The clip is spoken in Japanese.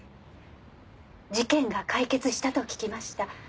事件が解決したと聞きました。